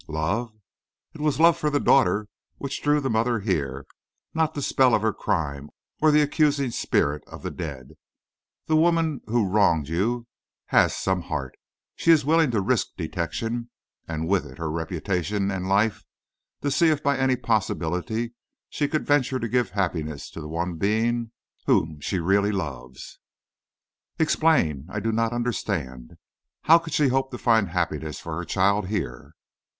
"Love?" "It was love for the daughter which drew the mother here, not the spell of her crime or the accusing spirit of the dead. The woman who wronged you has some heart; she was willing to risk detection, and with it her reputation and life, to see if by any possibility she could venture to give happiness to the one being whom she really loves." "Explain; I do not understand. How could she hope to find happiness for her child here?"